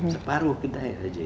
separuh kedai saja